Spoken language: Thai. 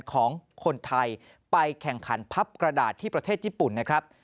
ของคนไทยไปแข่งขันพับกระดาษที่ประเทศญี่ปุ่นนะครับ